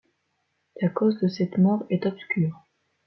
La cause de cette mort est obscure.